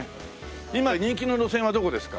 今人気の路線はどこですか？